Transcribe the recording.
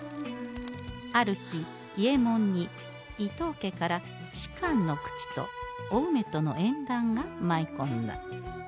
ある日伊右衛門に伊藤家から仕官の口とお梅との縁談が舞い込んだ